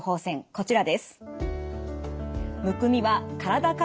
こちらです。